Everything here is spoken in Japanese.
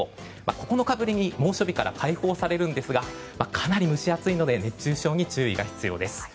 ９日ぶりに猛暑日から解放されるんですがかなり蒸し暑いので熱中症に注意が必要です。